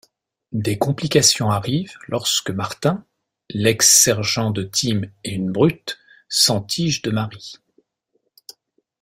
Des complications arrivent lorsque Martin, l'ex-sergent de Tim et une brute, s'entiche de Mary...